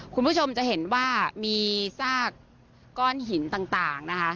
คุณผู้ชมจะเห็นว่ามีซากก้อนหินต่างนะคะ